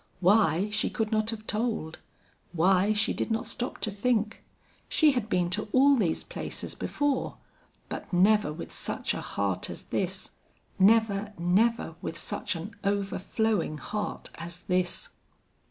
Why, she could not have told; why, she did not stop to think. She had been to all these places before, but never with such a heart as this never, never with such an overflowing heart as this.